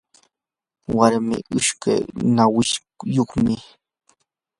warmii ushqu nawiyuqmi.